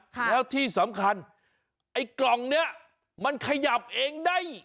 แล้วที่สำคัญไอ้กล่องนี้มันขยับเองได้